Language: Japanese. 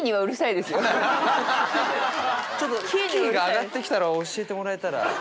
ちょっとキーが上がってきたら教えてもらえたら。